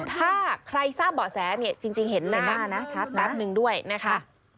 ถ้าใครทราบเบาะแสจริงเห็นหน้าแบบนึงด้วยนะคะ